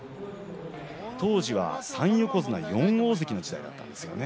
当時は３横綱４大関の時代だったんですね。